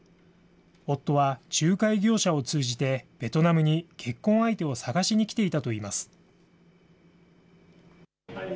夫は仲介業者を通じて、ベトナムに結婚相手を探しに来ていたといいます。